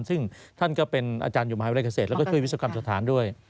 ซึ่งท่านก็เป็นอาจารย์อยู่มหาวิทยาลัยเกษตรแล้วก็ช่วยวิศกรรมสถานด้วย